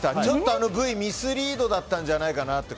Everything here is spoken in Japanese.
あのＶ、ミスリードだったんじゃないかなと。